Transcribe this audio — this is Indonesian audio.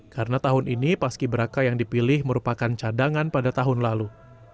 karena tahun ini paski beraka yang dipilih merupakan cadangan pada tahun lalu